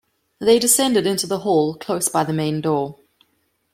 They descended into the hall close by the main door.